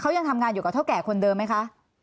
เขายังทำงานอยู่กับเท่าแก่คนเดิมไหมคะ